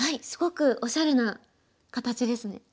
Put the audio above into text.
すごくおしゃれな形ですね。